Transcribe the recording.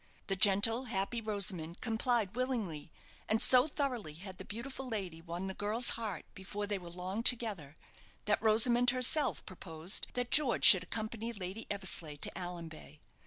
The gentle, happy Rosamond complied willingly, and so thoroughly had the beautiful lady won the girl's heart before they were long together, that Rosamond herself proposed that George should accompany Lady Eversleigh to Allanbay.